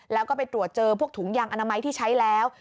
แล้วก็ไปตรวจเจอพวกถุงยางอนามัยที่ใช้แล้ว